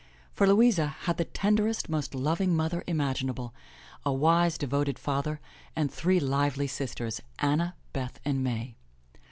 For Louisa had the tenderest, most loving mother imaginable, a wise, devoted father and three lively sisters, Anna, Beth and May.